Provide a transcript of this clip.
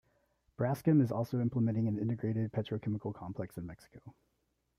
Braskem is also implementing an integrated petrochemical complex in Mexico.